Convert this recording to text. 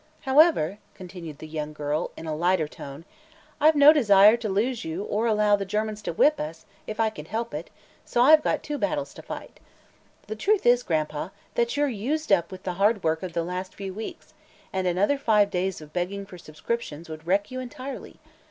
However," continued the young girl, in a lighter tone, "I've no desire to lose you or allow the Germans to whip us, if I can help it, so I've got two battles to fight. The truth is, Gran'pa, that you're used up with the hard work of the last few weeks, and another five days of begging for subscriptions would wreck you entirely.